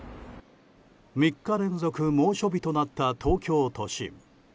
３日連続猛暑日となった東京都心。